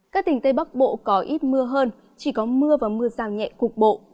các tỉnh tây bắc bộ có ít mưa hơn chỉ có mưa và mưa rào nhẹ cục bộ